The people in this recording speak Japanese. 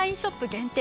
限定